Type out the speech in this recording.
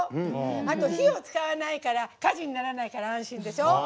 あと、火を使わないから火事にならないから安心でしょ。